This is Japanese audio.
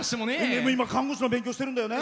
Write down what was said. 看護師の勉強してるんだよね。